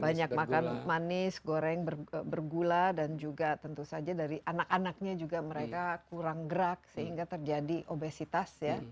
banyak makan manis goreng bergula dan juga tentu saja dari anak anaknya juga mereka kurang gerak sehingga terjadi obesitas ya